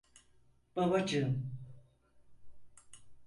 Babacım?